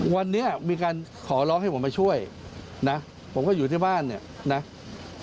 วันนี้มีการขอร้องให้ผมมาช่วยนะผมก็อยู่ที่บ้านเนี่ยนะ